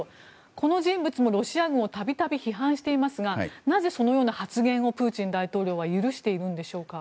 この人物もロシア軍を度々批判していますがなぜ、そのような発言をプーチン大統領は許しているんでしょうか？